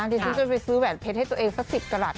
ที่ฉันไปซื้อแหวนเพชรให้ตัวเองสัก๑๐กรัต